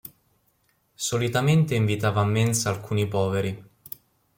Solitamente invitava a mensa alcuni poveri.